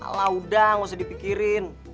alah udah gak usah dipikirin